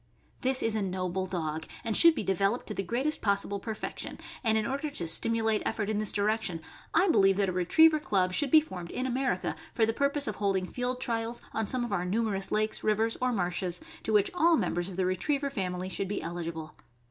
This is a noble dog, and should be developed to the greatest possible perfection; and in order to stimulate effort in this direction, I believe that a Retriever club should be formed in America for the purpose of holding field trials on some of our numerous lakes, rivers, or marshes, to which all members of the Retriever family should be eligible.